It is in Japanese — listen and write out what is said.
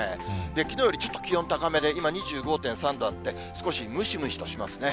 きのうよりちょっと気温高めで、今、２５．３度あって、少しムシムシとしますね。